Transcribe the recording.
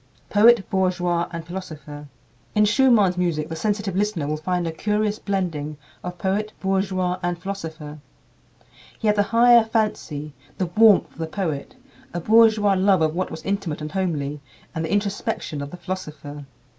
Poet, Bourgeois, and Philosopher. In Schumann's music the sensitive listener will find a curious blending of poet, bourgeois, and philosopher. He had the higher fancy, the warmth of the poet, a bourgeois love of what was intimate and homely, and the introspection of the philosopher.